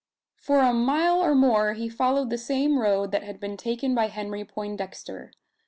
For a mile or more he followed the same road, that had been taken by Henry Poindexter.